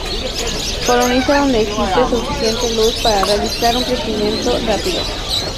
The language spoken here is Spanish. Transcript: Coloniza donde existe suficiente luz para realizar un crecimiento rápido.